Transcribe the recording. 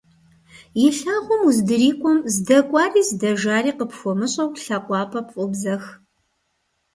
И лъагъуэм уздрикIуэм, здэкIуари здэжари къыпхуэмыщIэу, лъакъуапIэр пфIобзэх.